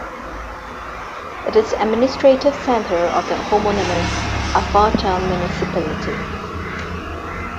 It is the administrative centre of the homonymous Alfatar Municipality.